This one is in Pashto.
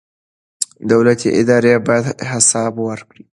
دولتي ادارې باید حساب ورکړي.